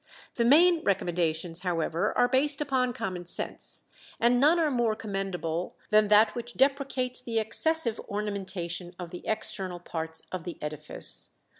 The main recommendations, however, are based upon common sense, and none are more commendable than that which deprecates the excessive ornamentation of the external parts of the edifice.